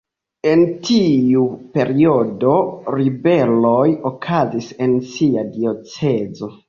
En tiu periodo ribeloj okazis en sia diocezo.